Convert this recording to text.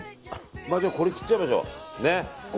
これ、切っちゃいましょう。